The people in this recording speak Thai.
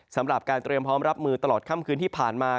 สำหรับการเตรียมพร้อมรับมือตลอดค่ำคืนที่ผ่านมา